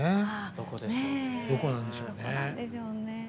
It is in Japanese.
どこなんでしょうね。